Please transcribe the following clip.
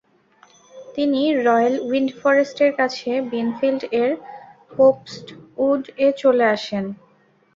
তিনি Royal Windforest এর কাছে বিনফিল্ড এর পোপসউড এ চলে আসেন।